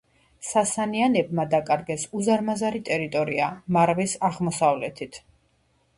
სასანიანებმა დაკარგეს უზარმაზარი ტერიტორია მარვის აღმოსავლეთით.